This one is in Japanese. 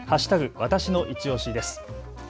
わたしのいちオシです。